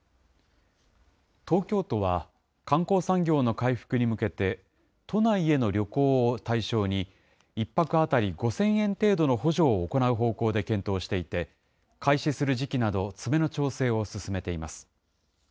東京都は、観光産業の回復に向けて、都内への旅行を対象に、１泊当たり５０００円程度の補助を行う方向で検討していて、開始する時期など、詰めの調整を進めています。